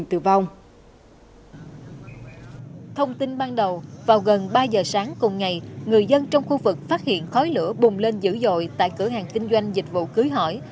thông tin ban đầu vào gần ba giờ sáng cùng ngày người dân trong khu vực phát hiện khói lửa bùng lên dữ dội tại cửa hàng kinh doanh dịch vụ cưới hỏi